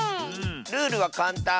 ルールはかんたん！